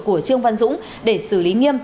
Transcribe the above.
của trương văn dũng để xử lý nghiêm